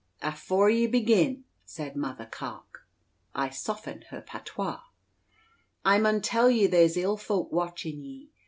"Afoore ye begin," said Mother Carke (I soften her patois), "I mun tell ye there's ill folk watchin' ye.